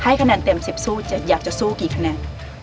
คะแนนเต็ม๑๐สู้อยากจะสู้กี่คะแนน